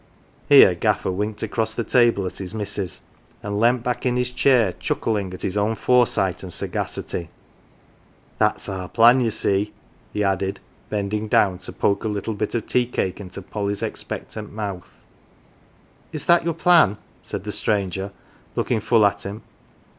Here Gaffer winked across the table at his missus, and leant back in his chair chuckling at his own foresight and sagacity. 42 GAFFER'S CHILD " That's our plan, ye see, 11 he added, bending down to poke a little bit of tea cake into Polly's expectant mouth. "Is that your plan?" said the stranger, looking full at him.